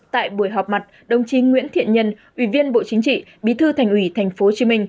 tại buổi họp mặt đồng chí nguyễn thiện nhân ủy viên bộ chính trị bí thư thành ủy tp hcm